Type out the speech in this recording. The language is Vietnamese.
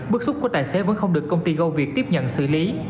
bức xúc của tài xế vẫn không được công ty goviet tiếp nhận xử lý